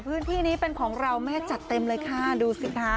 พื้นที่นี้เป็นของเราแม่จัดเต็มเลยค่ะดูสิคะ